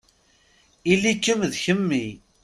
Ili-kem d kemmi.